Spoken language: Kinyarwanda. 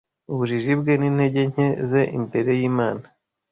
ubujiji bwe n’intege nke ze imbere y’Imana